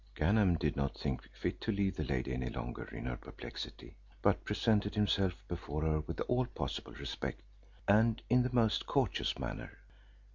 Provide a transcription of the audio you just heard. Ganem did not think fit to leave the lady any longer in her perplexity, but presented himself before her with all possible respect, and in the most courteous manner.